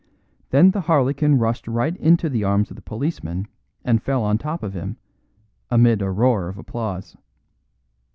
Then the harlequin rushed right into the arms of the policeman and fell on top of him, amid a roar of applause.